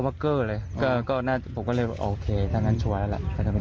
ผมก็เรียกว่าโอเคดังนั้นชัวร์แล้วล่ะ